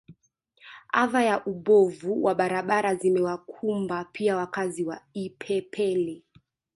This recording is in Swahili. Adha ya ubovu wa barabara zimewakumba pia wakazi wa Ipepele